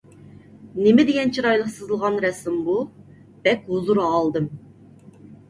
نېمىدېگەن چىرايلىق سىزىلغان رەسىم بۇ! بەك ھۇزۇر ئالدىم.